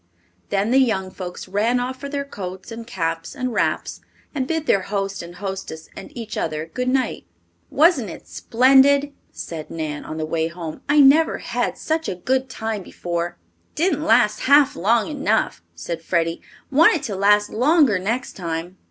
Then the young folks ran off for their coats and caps and wraps, and bid their host and hostess and each other good night. "Wasn't it splendid?" said Nan, on the way home. "I never had such a good time before." "Didn't last half long enough," said Freddie. "Want it to last longer next time."